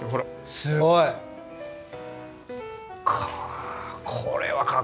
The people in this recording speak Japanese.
すごい。かっ。